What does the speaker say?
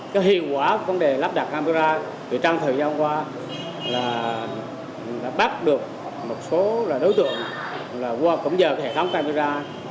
cái hiệu quả của vấn đề lắp đặt camera từ trang thời gian qua là bắt được một số đối tượng qua cổng giờ hệ thống camera